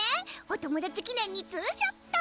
お友達記念に２ショット！